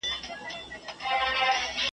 یوه ورځ هم پر غلطه نه وو تللی .